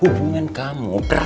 hubungan kita emang itu semua salah